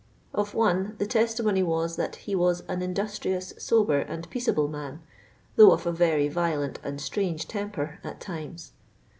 Of one, the testimony was that " he was an in. dustrious, sober and peaceable man," though «of a very violent and strange temper" at times.